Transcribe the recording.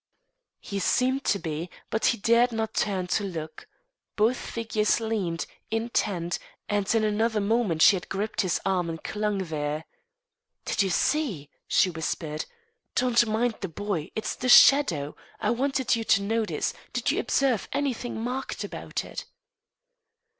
He seemed to be, but she dared not turn to look. Both figures leaned, intent, and in another moment she had gripped his arm and clung there. "Did you see?" she whispered, "Don't mind the boy; it's the shadow I wanted you to notice. Did you observe anything marked about it?"